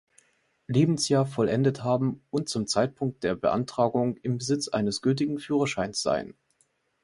Lebensjahr vollendet haben und zum Zeitpunkt der Beantragung im Besitz eines gültigen Führerscheins sein.